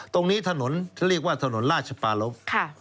ตรงนี้ถนนเรียกว่าถนนราชปารพ